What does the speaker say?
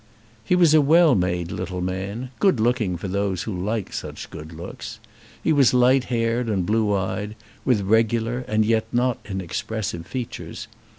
He was a well made little man, good looking for those who like such good looks. He was light haired and blue eyed, with regular and yet not inexpressive features.